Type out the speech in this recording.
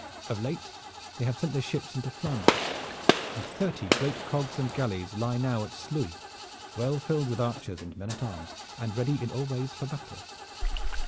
Of late they have sent their ships into Flanders, and thirty great cogs and galleys lie now at Sluys well filled with archers and men at arms and ready in all ways for battle.